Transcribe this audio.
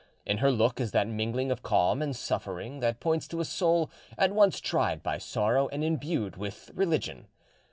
In her look is that mingling of calm and suffering that points to a soul at once tried by sorrow and imbued with religion.